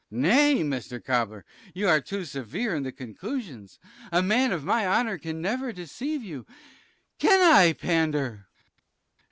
Sir B. Nay, Mr. Cobbler, you are too severe in the conclusions; a man of my honour can never deceive you; Can I, Pander?